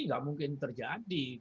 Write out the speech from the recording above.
tidak mungkin terjadi